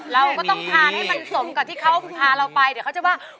เราก็ต้องทานให้มันสมกับที่เขาพาเราไปเดี๋ยวเขาจะว่า